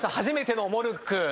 初めてのモルック。